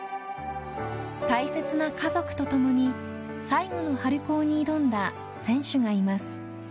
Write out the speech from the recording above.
大切な家族とともに最後の春高に挑んだ選手がいます。